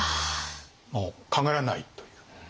もう考えられないという。